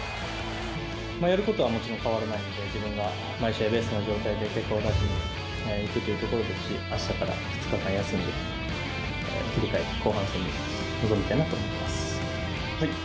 やることはもちろん変わらないので、自分が毎試合ベストな状態で結果を出しにいくというところと、あしたから２日間休んで、切り替えて、後半戦に臨みたいなと思います。